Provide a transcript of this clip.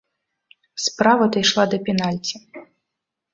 Справа дайшла да пенальці.